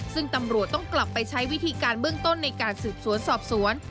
ซึ่งตำรวจต้องกลับไปใช้วิธีการเบื้องต้นในการสืบสวนสอบสวน